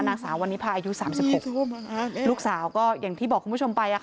นางสาววันนี้พาอายุ๓๖ลูกสาวก็อย่างที่บอกคุณผู้ชมไป